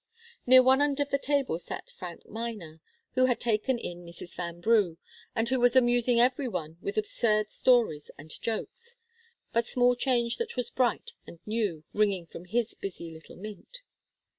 Near one end of the table sat Frank Miner, who had taken in Mrs. Vanbrugh, and who was amusing every one with absurd stories and jokes the small change of wit, but small change that was bright and new, ringing from his busy little mint.